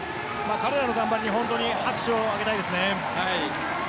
彼らの頑張りに拍手をあげたいですね。